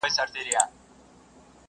تاسي یې وګوری مېلمه دی که شیطان راغلی.!